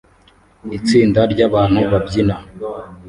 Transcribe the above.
Itsinda ryabantu babyina